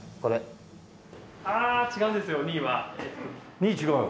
２位違うの？